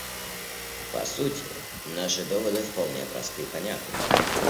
По сути, наши доводы вполне просты и понятны.